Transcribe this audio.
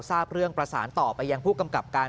ทราบเรื่องประสานต่อไปยังผู้กำกับการ